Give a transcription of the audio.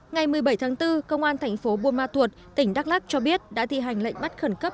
ngày một mươi bảy tháng bốn công an thành phố buôn ma thuột tỉnh đắk lắc cho biết đã thi hành lệnh bắt khẩn cấp